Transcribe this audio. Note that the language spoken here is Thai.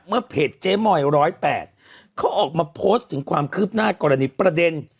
เพจเจ๊มอย๑๐๘เขาออกมาโพสต์ถึงความคืบหน้ากรณีประเด็น